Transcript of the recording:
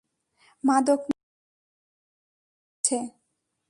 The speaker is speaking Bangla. মাদক নিয়ে অর্জুন চেম্বারে ঢুকছে।